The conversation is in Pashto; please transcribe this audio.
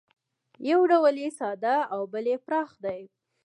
یو ډول یې ساده او بل یې پراخ دی